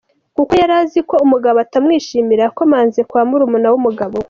Kuko yari aziko umugabo atamwishimira yakomanze kwa murumuna w’umugabo we.